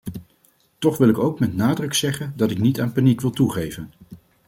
Toch wil ook ik met nadruk zeggen dat ik niet aan paniek wil toegeven.